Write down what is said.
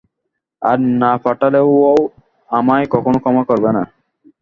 আর না পাঠালে, ও আমায় কখনো ক্ষমা করবে না।